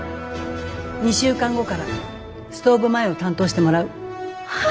２週間後からストーブ前を担当してもらう。